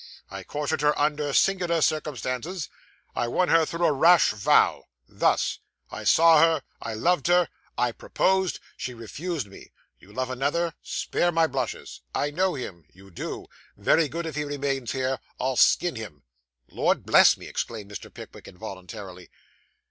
I courted her under singular circumstances. I won her through a rash vow. Thus. I saw her; I loved her; I proposed; she refused me. "You love another?" "Spare my blushes." "I know him." "You do." "Very good; if he remains here, I'll skin him."' 'Lord bless me!' exclaimed Mr. Pickwick involuntarily.